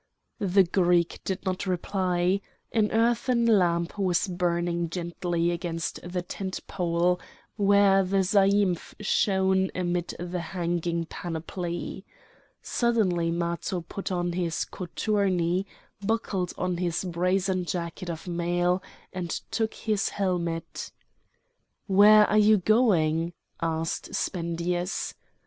The Greek did not reply. An earthen lamp was burning gently against the tent pole, where the zaïmph shone amid the hanging panoply. Suddenly Matho put on his cothurni, buckled on his brazen jacket of mail, and took his helmet. "Where are you going?" asked Spendius.